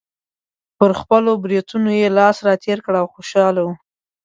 پر خپلو برېتونو یې لاس راتېر کړ او خوشحاله و.